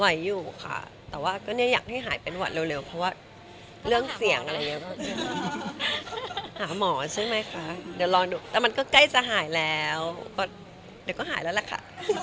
อยู่ค่ะแต่ว่าก็เนี่ยอยากให้หายเป็นหวัดเร็วเพราะว่าเรื่องเสียงอะไรอย่างนี้ก็หาหมอใช่ไหมคะเดี๋ยวรอดูแต่มันก็ใกล้จะหายแล้วเดี๋ยวก็หายแล้วล่ะค่ะ